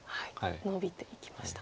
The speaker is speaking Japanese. ノビていきました。